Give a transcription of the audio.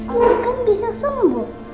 aku kan bisa sembuh